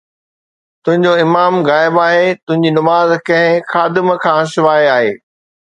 تنهنجو امام غائب آهي، تنهنجي نماز ڪنهن خادم کان سواءِ آهي